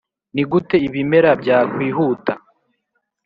nigute ibimera byakwihuta